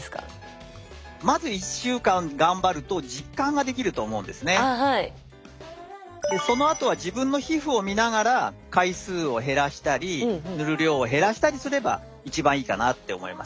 でそのあとは自分の皮膚を見ながら回数を減らしたり塗る量を減らしたりすれば一番いいかなって思います。